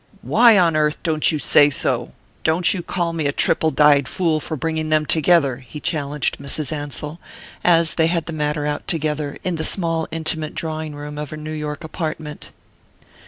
"Why on earth don't you say so don't you call me a triple dyed fool for bringing them together?" he challenged Mrs. Ansell, as they had the matter out together in the small intimate drawing room of her New York apartment.